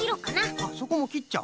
あっそこもきっちゃう？